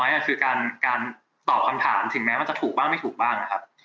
นี่คือการตอบคำถามถึงแม้มันจะถูกบ้างไม่ถูกบ้างนะครับ